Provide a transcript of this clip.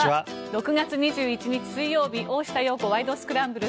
６月２１日、水曜日「大下容子ワイド！スクランブル」。